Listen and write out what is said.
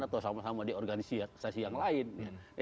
atau sama sama di organisasi yang lain